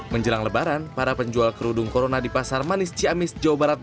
menjelang lebaran para penjual kerudung corona di pasar manis ciamis jawa barat